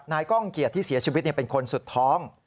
ก้องเกียจที่เสียชีวิตเป็นคนสุดท้อง